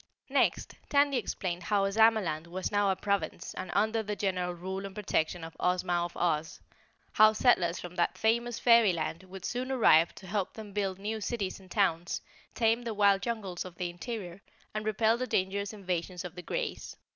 Next, Tandy explained how Ozamaland was now a province and under the general rule and protection of Ozma of Oz, how settlers from that famous fairyland would soon arrive to help them build new cities and towns, tame the wild jungles of the interior and repel the dangerous invasions of the Greys.